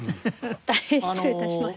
大変失礼致しました。